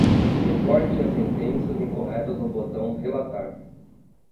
Reporte as sentenças incorretas no botão "relatar"